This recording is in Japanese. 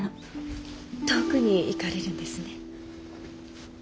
遠くに行かれるんですね。